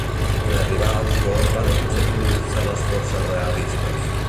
En arribar a Oxford van aconseguir unir-se a les forces realistes.